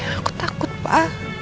aku takut pak